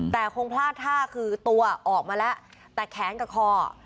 แต่คงพลาดท่าคือตัวออกมาแล้วแต่แขนกับคอ